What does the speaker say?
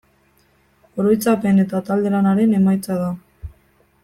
Oroitzapen eta talde-lanaren emaitza da.